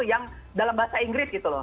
yang dalam bahasa inggris gitu loh